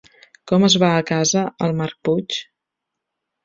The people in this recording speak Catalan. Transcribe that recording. Com es va a casa el Marc Puig?